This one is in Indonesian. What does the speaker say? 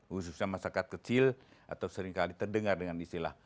khususnya masyarakat kecil atau seringkali terdengar dengan istilah